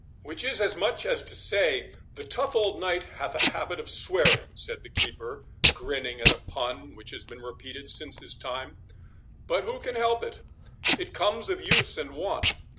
"Which is as much as to say, the tough old knight hath a habit of swearing," said the keeper, grinning at a pun, which has been repeated since his time; "but who can help it? it comes of use and wont.